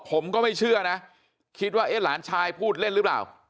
ผมก็ไม่เชื่อนะคิดว่าเอ๊ะหลานชายพูดเล่นหรือเปล่า